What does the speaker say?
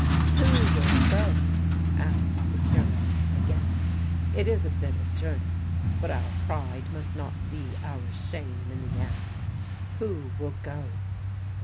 "Who will go?" asked the Cure again. "It is a bitter journey, but our pride must not be our shame in the end. Who will go?